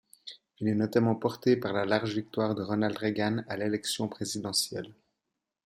Il est notamment porté par la large victoire de Ronald Reagan à l'élection présidentielle.